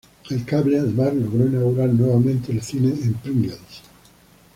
El cable además logró inaugurar nuevamente el cine en Pringles.